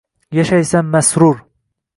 Yashaysan masrur.